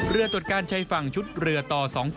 เรือตรวจการชายฝั่งชุดเรือต่อ๒๗